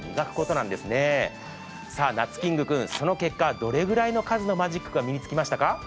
なつキング君、その結果どれくらいのマジックが身につきましたか？